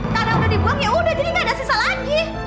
karena udah dibuang ya udah jadi nggak ada sisa lagi